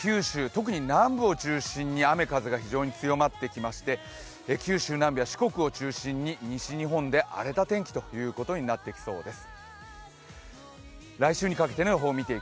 特に南部を中心に雨風が非常に強まってきまして、九州南部や四国を中心に西日本で荒れた天気ということになってきそうです。